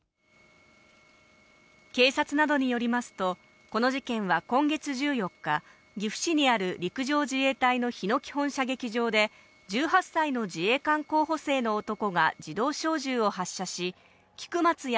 警察などによりますと、この事件は今月１４日、岐阜市にある陸上自衛隊の日野基本射撃場で、１８歳の自衛官候補生の男が自動小銃を発射し、菊松安